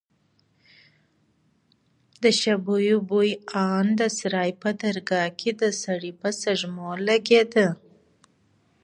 د شبيو بوى ان د سراى په درگاه کښې د سړي په سپږمو لگېده.